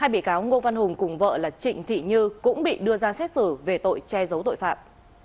hai bị cáo ngô văn hùng cùng vợ là trịnh thị như cũng bị đưa ra xét xử về tội che giấu tội phạm